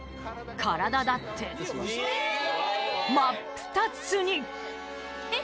体だって、真っ二つに。